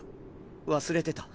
忘れてた。